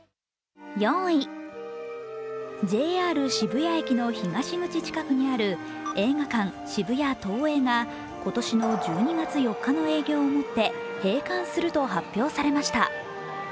４位、ＪＲ渋谷駅の東口近くにある映画館、渋谷ＴＯＥＩが今年の１２月４日の営業をもって閉館すると発表されました。